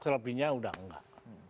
selebihnya sudah enggak